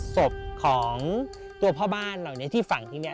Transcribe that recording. ศพของตัวพ่อบ้านเหล่านี้ที่ฝังที่นี่